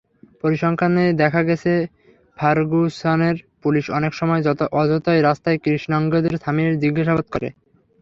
পরিসংখ্যানে দেখা গেছে, ফার্গুসনের পুলিশ অনেক সময় অযথাই রাস্তায় কৃষ্ণাঙ্গদের থামিয়ে জিজ্ঞাসাবাদ করে।